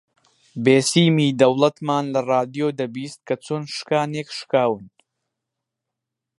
بێسیمی دەوڵەتمان لە ڕادیۆ دەبیست کە چۆن شکانێک شکاون